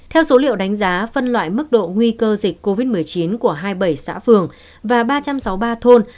theo số liệu đánh giá phân loại mức độ nguy cơ dịch covid một mươi chín của hai mươi bảy xã phường và ba trăm sáu mươi ba thôn